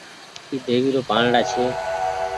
اي ديوي رو پآنڙآ ڇي۔